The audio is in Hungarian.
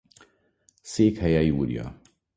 Székhelye Jurja.